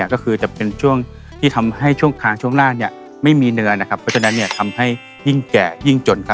ก็คือจะเป็นช่วงที่ทำให้ช่วงคางช่วงล่างไม่มีเนื้อนะครับเพราะฉะนั้นทำให้ยิ่งแก่ยิ่งจนครับ